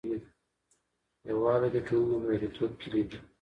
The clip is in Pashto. یووالي د ټولني د بریالیتوب کیلي ده.